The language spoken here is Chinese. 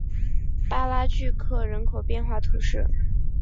巴拉聚克人口变化图示